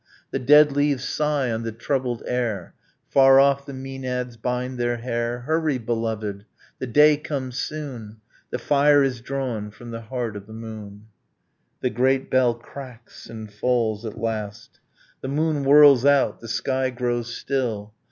The dead leaves sigh on the troubled air, Far off the maenads bind their hair. ... Hurry, beloved! the day comes soon. The fire is drawn from the heart of the moon. The great bell cracks and falls at last. The moon whirls out. The sky grows still.